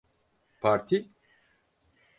Parti?